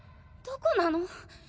どこなの？